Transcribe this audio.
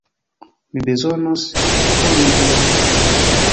Mi bezonos koni vian opinion.